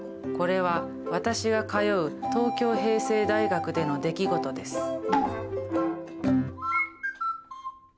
これは私が通う東京平成大学での出来事です。